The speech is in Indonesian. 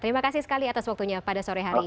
terima kasih sekali atas waktunya pada sore hari ini